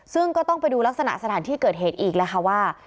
ซึ่งก็ต้องไปดูลักษณะสถานที่เกิดเหตุอีกแล้วค่ะว่า